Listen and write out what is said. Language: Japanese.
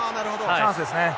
チャンスですね。